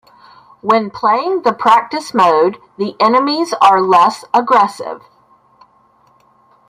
When playing the practice mode, the enemies are less aggressive.